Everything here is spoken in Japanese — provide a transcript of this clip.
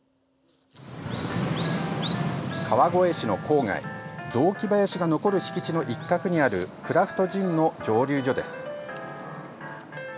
川越市の郊外雑木林が残る敷地の一角にあるクラフトジンの蒸留所です。